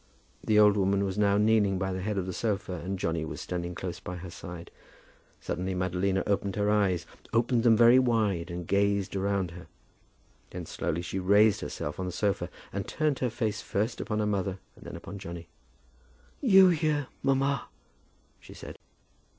The old woman was now kneeling by the head of the sofa, and Johnny was standing close by her side. Suddenly Madalina opened her eyes, opened them very wide and gazed around her. Then slowly she raised herself on the sofa, and turned her face first upon her mother and then upon Johnny. "You here, mamma!" she said.